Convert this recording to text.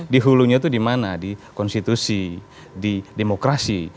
di hulunya itu dimana di konstitusi di demokrasi